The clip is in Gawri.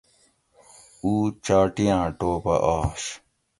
او چاٹیاں ٹوپہ آش